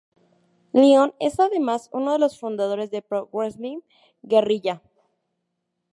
Lyon es, además, uno de los fundadores de Pro Wrestling Guerrilla.